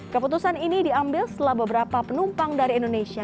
keputusan ini diambil setelah beberapa penumpang dari indonesia